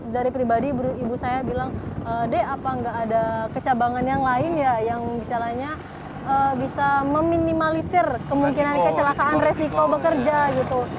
dari pribadi ibu saya bilang dek apa nggak ada kecabangan yang lain ya yang misalnya bisa meminimalisir kemungkinan kecelakaan resiko bekerja gitu